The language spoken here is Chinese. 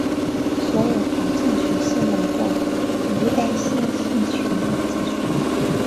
所有矩阵群是某个一般线性群的子群。